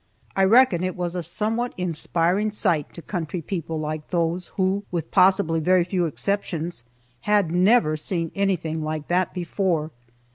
I reckon it was a somewhat inspiring sight to country people like those who, with possibly very few exceptions, had never seen anything like that before.